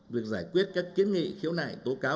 việc giải quyết các kiến nghị khiếu nại tố cáo